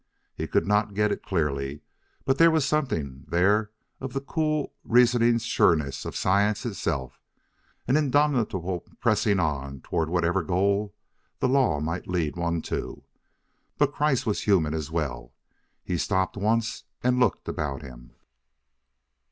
He could not get it clearly, but there was something there of the cool, reasoning sureness of science itself an indomitable pressing on toward whatever goal the law might lead one to; but Kreiss was human as well. He stopped once and looked about him.